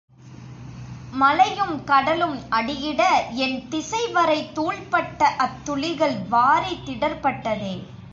மலையும் கடலும் அடியிட எண் திசைவரை தூள்பட்ட அத்துளிகள் வாரி திடர்பட்டதே.